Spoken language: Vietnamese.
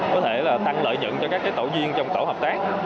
có thể là tăng lợi dựng cho các tổ duyên trong tổ hợp tác